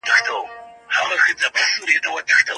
هلک به بیا خونې ته راننوځي؟